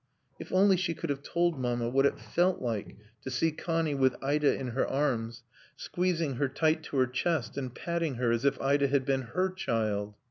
If only she could have told Mamma what it felt like to see Connie with Ida in her arms, squeezing her tight to her chest and patting her as if Ida had been her child.